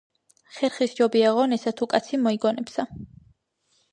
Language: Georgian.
ხერხი სჯობია ღონესა, თუ კაცი მოიგონებსა.